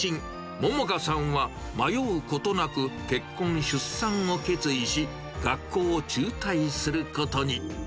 桃華さんは迷うことなく結婚・出産を決意し、学校を中退することに。